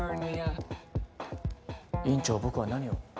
院長僕は何を？